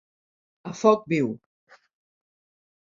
A foc viu.